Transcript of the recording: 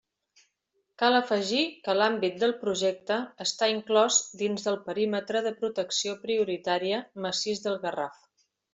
Cal afegir que l'àmbit del Projecte està inclòs dins del perímetre de protecció prioritària Massís del Garraf.